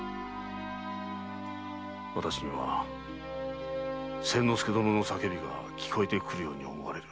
わたしには千之助殿の叫びが聞こえてくるように思われる。